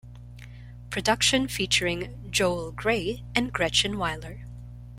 Production featuring Joel Grey and Gretchen Wyler.